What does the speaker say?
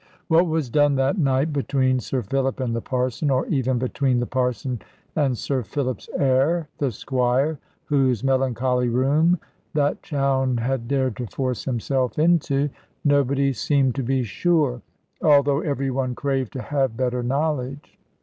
What was done that night between Sir Philip and the Parson, or even between the Parson and Sir Philip's heir, the Squire (whose melancholy room that Chowne had dared to force himself into), nobody seemed to be sure, although every one craved to have better knowledge.